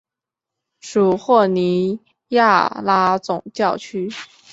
属霍尼亚拉总教区。